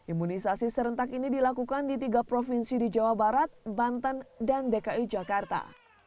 imunisasi serentak ini dilakukan di tiga provinsi di jawa barat banten dan dki jakarta